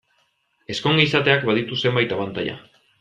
Ezkonge izateak baditu zenbait abantaila.